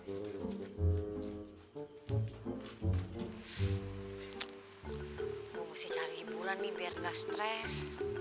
gua mesti cari hiburan nih biar ga stress